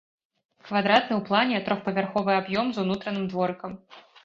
Квадратны ў плане трохпавярховы аб'ём з унутраным дворыкам.